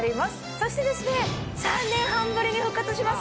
そして、３年半ぶりに復活します